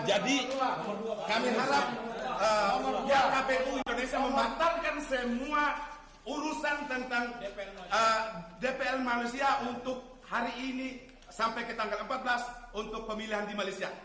jadi kami harap ykpu indonesia membatalkan semua urusan tentang dpl malaysia untuk hari ini sampai ke tanggal empat belas untuk pemilihan di malaysia